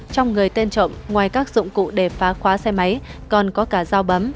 trong người tên trộm ngoài các dụng cụ để phá khóa xe máy còn có cả dao bấm